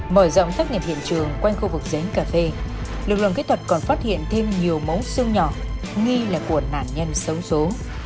mở rộng thách nghiệp hiện trường quanh khu vực giấy cà phê lực lượng kỹ thuật còn phát hiện thêm nhiều mẫu xương nhỏ nghi là của nạn nhân xấu xố